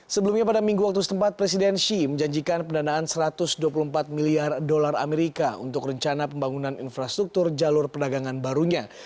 sebelumnya pada minggu waktu setempat presiden shi menjanjikan pendanaan satu ratus dua puluh empat miliar dolar amerika untuk rencana pembangunan infrastruktur jalur perdagangan barunya